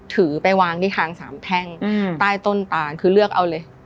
ถือไปวางที่ทางสามแท่งใต้ต้นตานคือเลือกเอาเลย